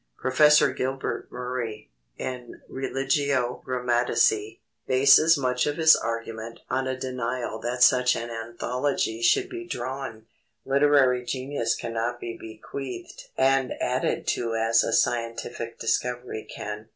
Professor Gilbert Murray, in Religio Grammatici, bases much of his argument on a denial that such an analogy should be drawn. Literary genius cannot be bequeathed and added to as a scientific discovery can.